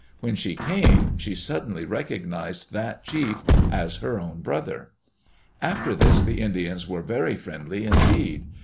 When she came, she suddenly recognized that chief as her own brother. After this the Indians were very friendly indeed.